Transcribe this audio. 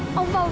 oh pak pak